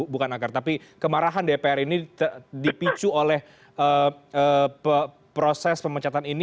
bukan akar tapi kemarahan dpr ini dipicu oleh proses pemecatan ini